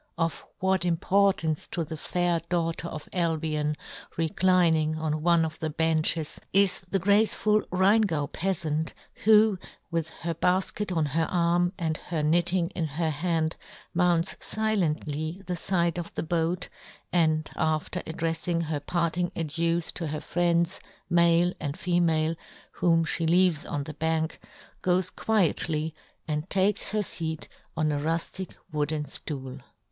Of what importance to the fair daugh ter of Albion, reclining on one of the benches, is the graceful Rheingau peafant, who, with her balket on her arm, and her knitting in her hand, mounts filently the fide of the boat, and after addreffing her parting adieus to her friends, male and female, whom fhe leaves on the bank, goes quietly and takes her feat on a ruflic wooden ftool.